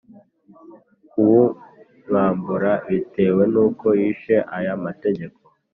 kubumwambura bitewe n uko yishe aya mategeko